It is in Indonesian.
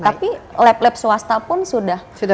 tapi lab lab swasta pun sudah